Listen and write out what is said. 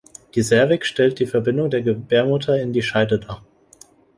Die Zervix stellt die Verbindung der Gebärmutter in die Scheide dar.